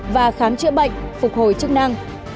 và khám chữa bệnh phục hồi chức năng